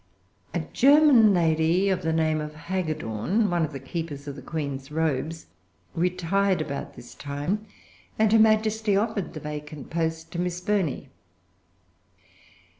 A German lady of the name of Haggerdorn, one of the keepers of the Queen's robes, retired about this time; and her Majesty offered the vacant post to Miss Burney.